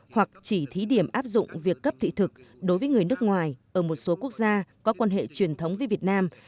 hoặc chỉ thí điểm áp dụng việc cấp thị thực đối với người nước ngoài ở một số quốc gia có quan hệ truyền thống với việt nam